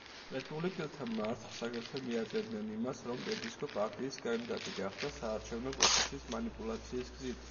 რესპუბლიკელთა მარცხს აგრეთვე მიაწერდნენ იმას, რომ ტედისკო პარტიის კანდიდატი გახდა საარჩევნო პროცესის მანიპულაციის გზით.